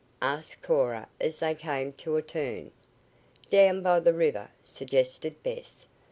asked Cora as they came to a turn. "Down by the river," suggested Bess.